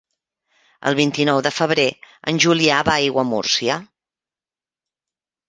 El vint-i-nou de febrer en Julià va a Aiguamúrcia.